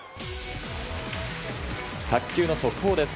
卓球の速報です。